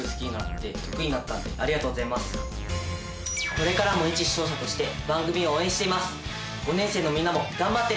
これからもいち視聴者として番組を応援しています。